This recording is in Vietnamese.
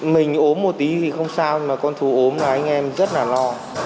mình ốm một tí thì không sao nhưng mà con thú ốm là anh em rất là lo